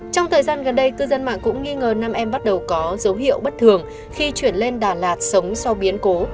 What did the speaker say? trong thời gian gần đây cư dân mạng cũng nghi ngờ nam em bắt đầu có dấu hiệu bất thường khi chuyển lên đà lạt sống sau biến cố